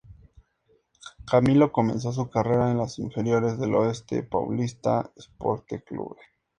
Camilo comenzó su carrera en las inferiores del Oeste Paulista Esporte Clube.